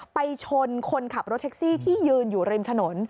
ไปชนคนขับรถแท็กซี่ที่ยืนอยู่ริมถนน